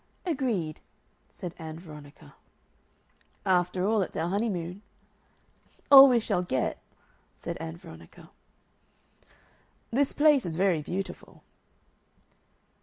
"Agreed," said Ann Veronica. "After all, it's our honeymoon." "All we shall get," said Ann Veronica. "This place is very beautiful."